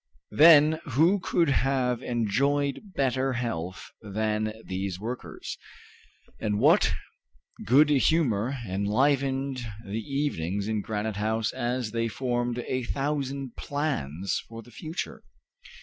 Then who could have enjoyed better health than these workers, and what good humor enlivened the evenings in Granite House as they formed a thousand plans for the future!